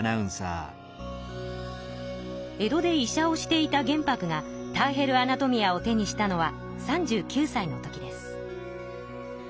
江戸で医者をしていた玄白が「ターヘル・アナトミア」を手にしたのは３９さいの時です。